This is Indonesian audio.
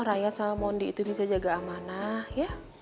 rakyat sama mondi itu bisa jaga amanah ya